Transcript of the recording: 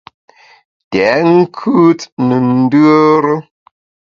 Tèt nkùt ne ndùere.